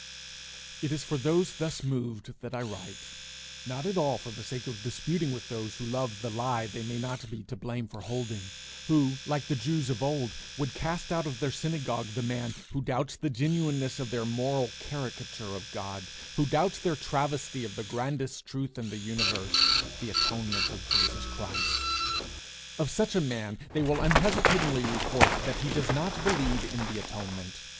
It is for those thus moved that I write, not at all for the sake of disputing with those who love the lie they may not be to blame for holding; who, like the Jews of old, would cast out of their synagogue the man who doubts the genuineness of their moral caricature of God, who doubts their travesty of the grandest truth in the universe, the atonement of Jesus Christ. Of such a man they will unhesitatingly report that he does not believe in the atonement.